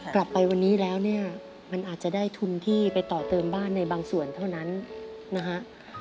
กลับไปวันนี้แล้วเนี่ยมันอาจจะได้ทุนที่ไปต่อเติมบ้านในบางส่วนเท่านั้นนะฮะ